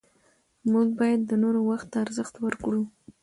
موږ باید د نورو وخت ته ارزښت ورکړو